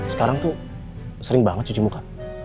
sekarang tuh sering banget cuci muka